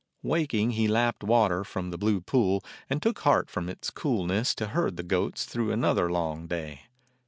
Waking he lapped water from the blue pool and took heart from its coolness to herd the goats through another long day.